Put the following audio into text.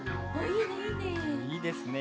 いいですね。